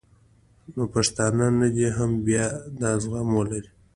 نو پښتانه دې هم بیا دا زغم ولري